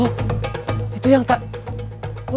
oh itu yang tadi